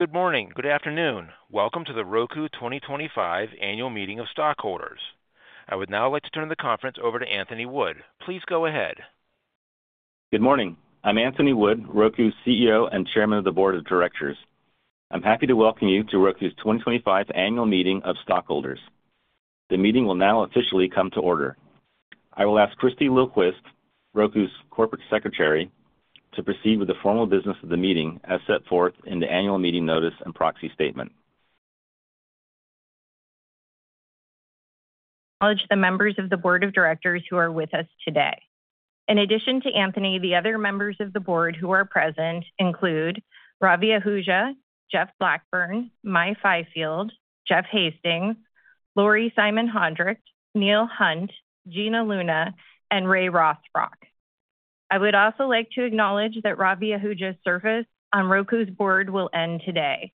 Good morning. Good afternoon. Welcome to the Roku 2025 Annual Meeting of Stockholders. I would now like to turn the conference over to Anthony Wood. Please go ahead. Good morning. I'm Anthony Wood, Roku's CEO and Chairman of the Board of Directors. I'm happy to welcome you to Roku's 2025 Annual Meeting of Stockholders. The meeting will now officially come to order. I will ask Christy Lillquist, Roku's Corporate Secretary, to proceed with the formal business of the meeting as set forth in the Annual Meeting Notice and Proxy Statement. I'll introduce the members of the Board of Directors who are with us today. In addition to Anthony, the other members of the board who are present include Ravi Ahuja, Jeff Blackburn, Mai Fifield, Jeff Hastings, Laurie Simon-Hendricks, Neil Hunt, Gina Luna, and Ray Rothrock. I would also like to acknowledge that Ravi Ahuja's service on Roku's board will end today.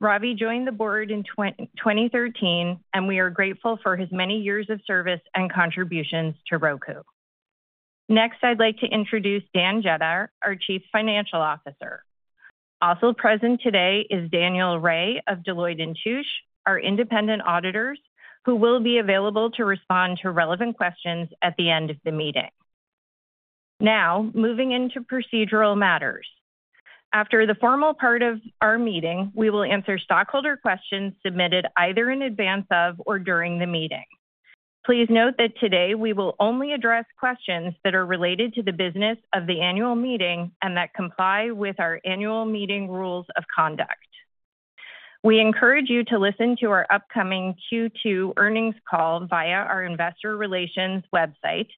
Ravi joined the Board in 2013, and we are grateful for his many years of service and contributions to Roku. Next, I'd like to introduce Dan Jedda, our Chief Financial Officer. Also present today is Daniel Ray of Deloitte & Touche, our independent auditors, who will be available to respond to relevant questions at the end of the meeting. Now, moving into procedural matters. After the formal part of our meeting, we will answer stockholder questions submitted either in advance of or during the meeting. Please note that today we will only address questions that are related to the business of the annual meeting and that comply with our annual meeting rules of conduct. We encourage you to listen to our upcoming Q2 earnings call via our investor relations website,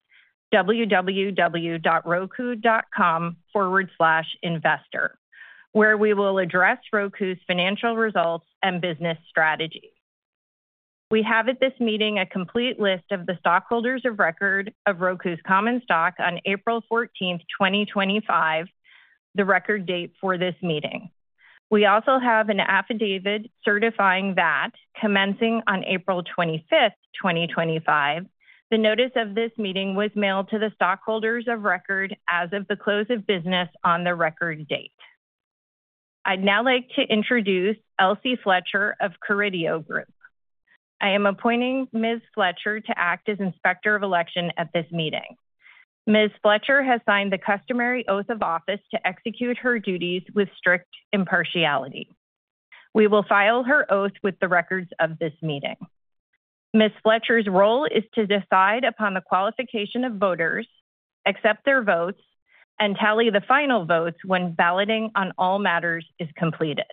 www.roku.com/investor, where we will address Roku's financial results and business strategy. We have at this meeting a complete list of the stockholders of record of Roku's common stock on April 14, 2025, the record date for this meeting. We also have an affidavit certifying that commencing on April 25, 2025, the notice of this meeting was mailed to the stockholders of record as of the close of business on the record date. I'd now like to introduce Elsie Fletcher of Caridio Group. I am appointing Ms. Fletcher to act as Inspector of Election at this meeting. Ms. Fletcher has signed the customary oath of office to execute her duties with strict impartiality. We will file her oath with the records of this meeting. Ms. Fletcher's role is to decide upon the qualification of voters, accept their votes, and tally the final votes when balloting on all matters is completed.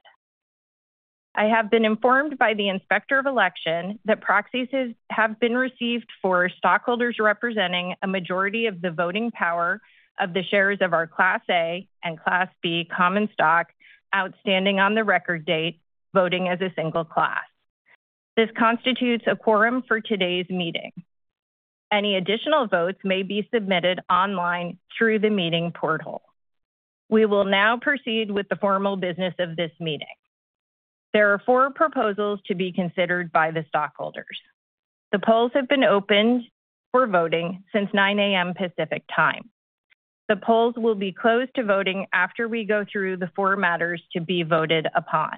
I have been informed by the Inspector of Election that proxies have been received for stockholders representing a majority of the voting power of the shares of our Class A and Class B common stock outstanding on the record date voting as a single class. This constitutes a quorum for today's meeting. Any additional votes may be submitted online through the meeting portal. We will now proceed with the formal business of this meeting. There are four proposals to be considered by the stockholders. The polls have been opened for voting since 9:00 A.M. Pacific Time. The polls will be closed to voting after we go through the four matters to be voted upon.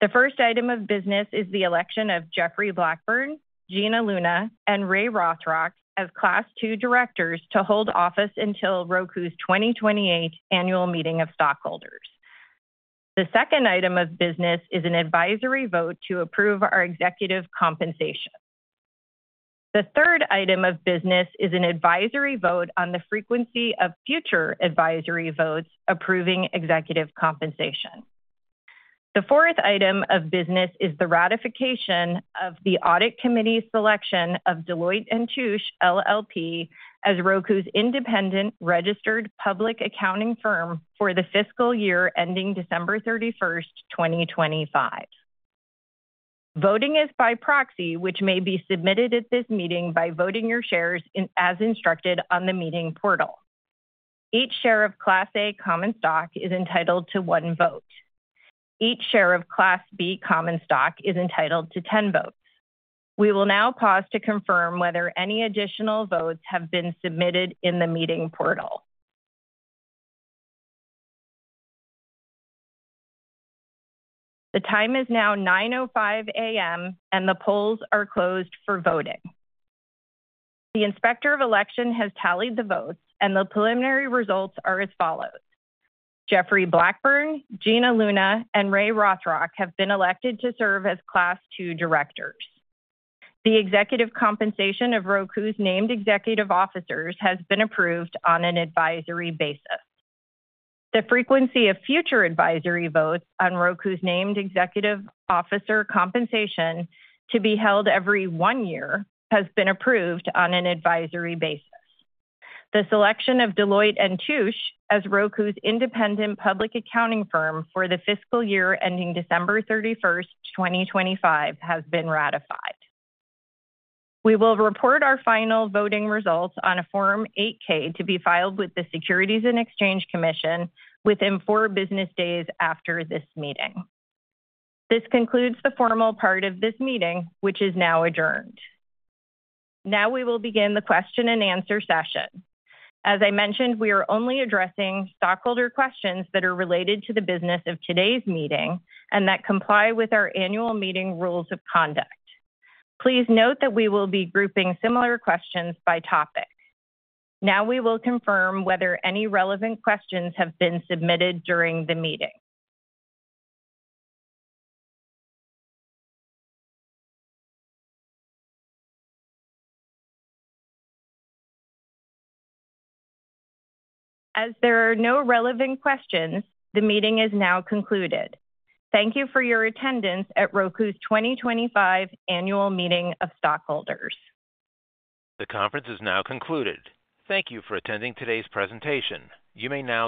The first item of business is the election of Jeff Blackburn, Gina Luna, and Ray Rothrock as Class 2 directors to hold office until Roku's 2028 Annual Meeting of Stockholders. The second item of business is an advisory vote to approve our executive compensation. The third item of business is an advisory vote on the frequency of future advisory votes approving executive compensation. The fourth item of business is the ratification of the audit committee selection of Deloitte & Touche as Roku's independent registered public accounting firm for the fiscal year ending December 31, 2025. Voting is by proxy, which may be submitted at this meeting by voting your shares as instructed on the meeting portal. Each share of Class A common stock is entitled to one vote. Each share of Class B common stock is entitled to 10 votes. We will now pause to confirm whether any additional votes have been submitted in the meeting portal. The time is now 9:05 A.M., and the polls are closed for voting. The Inspector of Election has tallied the votes, and the preliminary results are as follows. Jeff Blackburn, Gina Luna, and Ray Rothrock have been elected to serve as Class 2 directors. The executive compensation of Roku's named executive officers has been approved on an advisory basis. The frequency of future advisory votes on Roku's named executive officer compensation to be held every one year has been approved on an advisory basis. The selection of Deloitte & Touche as Roku's independent public accounting firm for the fiscal year ending December 31, 2025, has been ratified. We will report our final voting results on a Form 8-K to be filed with the Securities and Exchange Commission within four business days after this meeting. This concludes the formal part of this meeting, which is now adjourned. Now we will begin the question-and-answer session. As I mentioned, we are only addressing stockholder questions that are related to the business of today's meeting and that comply with our annual meeting rules of conduct. Please note that we will be grouping similar questions by topic. Now we will confirm whether any relevant questions have been submitted during the meeting. As there are no relevant questions, the meeting is now concluded. Thank you for your attendance at Roku's 2025 Annual Meeting of Stockholders. The conference is now concluded. Thank you for attending today's presentation. You may now.